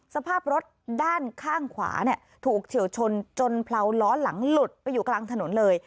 สภาพรถด้านข้างขวาเนี่ยถูกเฉียวชนจนเผลาล้อหลังหลุดไปอยู่กลางถนนเลย